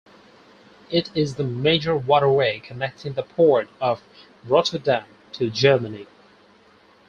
It is the major waterway connecting the port of Rotterdam to Germany.